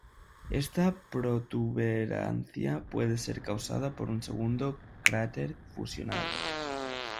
Esta protuberancia puede ser causada por un segundo cráter fusionado.